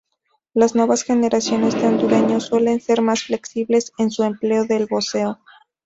Las nuevas generaciones de hondureños suelen ser más flexibles en su empleo del voseo.